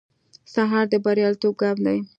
سهار د بریالیتوب ګام دی.